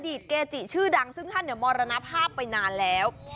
อดีตเกจิชื่อดังซึ่งท่านมรณภาพไปนานแล้ว